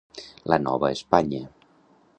La Nova Espanya.